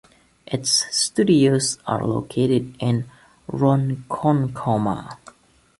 Its studios are located in Ronkonkoma.